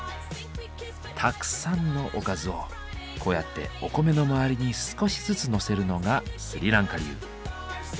たくさんのおかずをこうやってお米の周りに少しずつのせるのがスリランカ流。